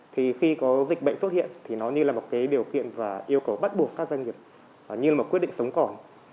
khi có dịch bệnh xuất hiện nó như là một điều kiện và yêu cầu bắt buộc các doanh nghiệp như là một quyết định sống còn